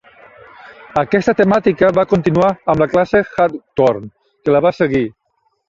Aquesta temàtica va continuar amb la classe Hawthorn que la va seguir.